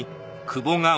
久保！